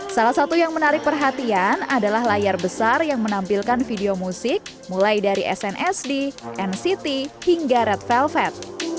salah satu yang menarik perhatian adalah layar besar yang menampilkan video musik mulai dari snsd nct hingga red velvet